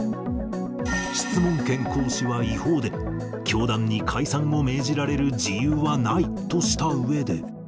質問権行使は違法で、教団に解散を命じられる事由はないとしたうえで。